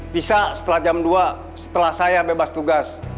bisa setelah jam dua setelah saya bebas tugas